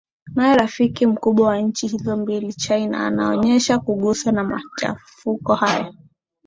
naye rafiki mkubwa wa nchi hizo mbili china imeonesha kuguswa na machafuko hayo